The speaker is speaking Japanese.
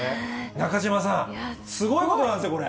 中島さん、すごいことなんですよ、これ。